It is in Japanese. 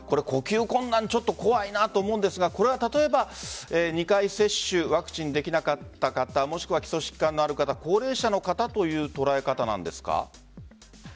呼吸困難ちょっと怖いなと思うんですがこれは例えば２回接種ワクチン打てなかった方もしくは基礎疾患のある方高齢者の方という捉え方なんですか？